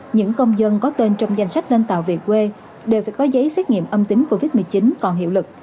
những công dân có tên trong danh sách lên tàu về quê đều phải có giấy xét nghiệm âm tính covid một mươi chín còn hiệu lực